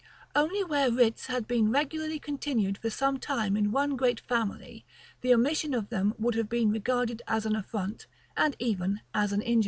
Only where writs had been regularly continued for some time in one great family, the omission of them would have been regarded as an affront, and even as an injury.